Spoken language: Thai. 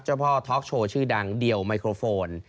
เจ้าพ่อท็อกโชว์ชื่อดังเดียวไมโครโฟน